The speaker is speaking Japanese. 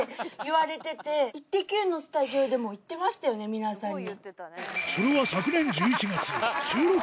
皆さんに。